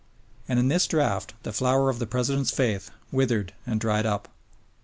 And in this drought the flower of the President's faith withered and dried up.